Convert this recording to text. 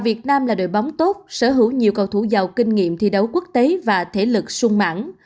u hai mươi ba việt nam là đội bóng tốt sở hữu nhiều cầu thủ giàu kinh nghiệm thi đấu quốc tế và thể lực sung mãn